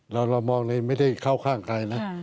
เรามองเลยไม่ได้เข้าข้างใครนะ